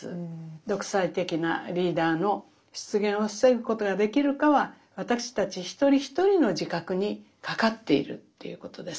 独裁的なリーダーの出現を防ぐことができるかは私たち一人一人の自覚にかかっているということです。